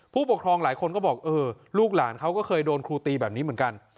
ผู้ปกครองหลายคนก็บอกเออลูกหลานเขาก็เคยโดนครูตีแบบนี้เหมือนกัน